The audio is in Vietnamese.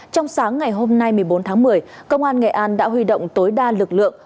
trong sáng ngày hôm nay một mươi bốn tháng một mươi công an nghệ an đã huy động tối đa lực lượng